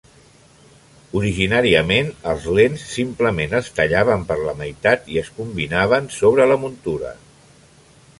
Originàriament, els lents simplement es tallaven per la meitat i es combinaven sobre la muntura.